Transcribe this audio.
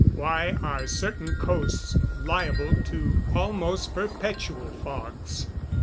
_Why are certain coasts liable to almost perpetual fogs?